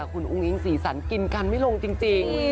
คุณอุ้งอิงสีสันกินกันไม่ลงจริง